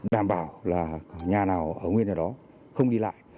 đảm bảo là nhà nào ở nguyên ở đó không đi lại